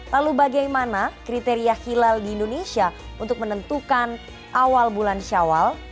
lalu bagaimana kriteria hilal di indonesia untuk menentukan awal bulan syawal